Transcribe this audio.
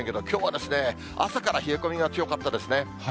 、きょうはですね、朝から冷え込みが強かったですね。